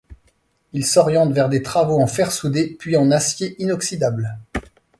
Il s’oriente vers des travaux en fer soudé puis en acier inoxydable.